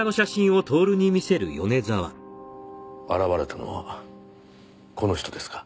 現れたのはこの人ですか？